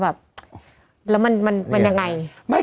แล้วมันยังไง